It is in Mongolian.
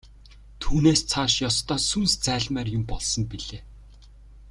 Түүнээс цааш ёстой сүнс зайлмаар юм болсон билээ.